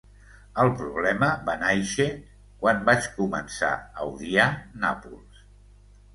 El problema va nàixer quan vaig començar a odiar Nàpols.